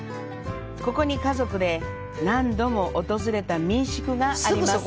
ここに、家族で何度も訪れた民宿があります。